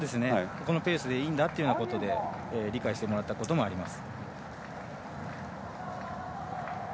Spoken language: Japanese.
このペースでいいんだということで理解してもらったこともあります。